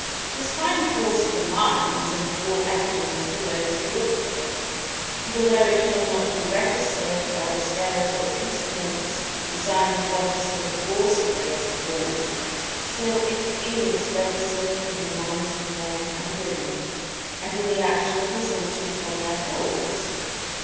This Finer Force of the Mind is in full evidence to those who look for it, and although it may not be registered by the scales or instruments designed to register the coarser grades of Force, still it is registered in the minds of men and women, and in the actions resulting from their thoughts.